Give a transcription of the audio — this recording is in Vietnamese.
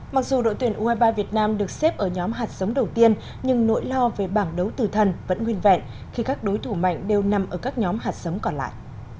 mặc dù đội tuyển u hai mươi ba việt nam được xếp ở nhóm hạt sống đầu tiên nhưng nỗi lo về bảng đấu từ thần vẫn nguyên vẹn khi các đối thủ mạnh đều nằm ở các nhóm hạt sống còn lại